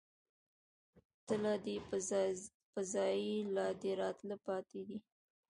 تله دې په ځائے، لا دې راتله پاتې دي